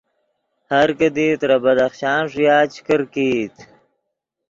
ہر کیدی ترے بدخشان ݰویا چے کرکیت